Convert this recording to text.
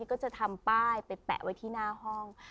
ก็จะทำป้ายไปแปะไว้ที่หน้าห้อง